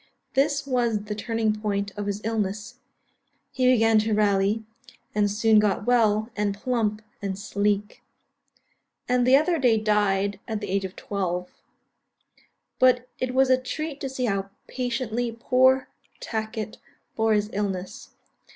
This was the turning point of his illness; he began to rally, and soon got well, and plump, and sleek; and the other day died at the age of twelve. But it was a treat to see how patiently poor Tacket bore his illness.